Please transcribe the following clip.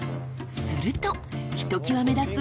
［するとひときわ目立つ］